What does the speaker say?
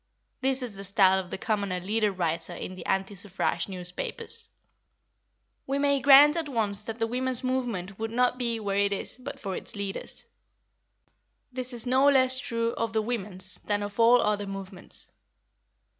This is the style of the commoner leader writer in the anti suffrage newspapers. We may grant at once that the women's movement would not be where it is but for its leaders. This is no less true of the women's than of all other movements.